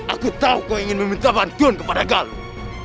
aku tahu kau ingin meminta bantuan kepada kau